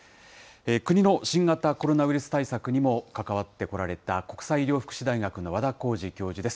国の新型コロナウイルス対策にも関わってこられた、国際医療福祉大学の和田耕治教授です。